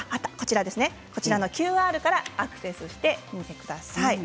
こちらのＱＲからアクセスしてください。